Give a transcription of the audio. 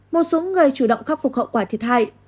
một số người chủ động khắc phục hậu quả thiệt hại